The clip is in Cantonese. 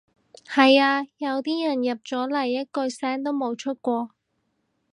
係呀，有啲人入咗嚟一句聲都冇出過